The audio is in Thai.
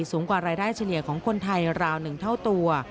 สูงกว่ารายได้เฉลี่ยของคนไทยราว๑เท่าตัว